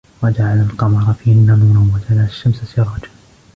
وجعل القمر فيهن نورا وجعل الشمس سراجا